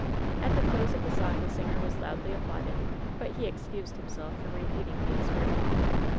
At the close of the song the singer was loudly ap plauded; but he excused himself from repeating the ex periment.